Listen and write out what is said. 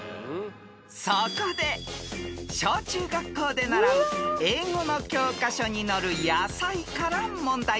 ［そこで小中学校で習う英語の教科書に載る野菜から問題］